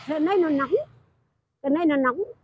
ở đây nó nóng ở đây nó nóng